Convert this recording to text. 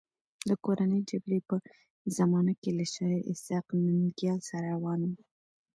د کورنۍ جګړې په زمانه کې له شاعر اسحق ننګیال سره روان وم.